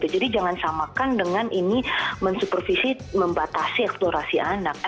jadi jangan samakan dengan ini mensupervisi membatasi eksplorasi anak